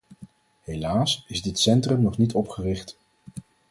Helaas is dit centrum nog niet opgericht.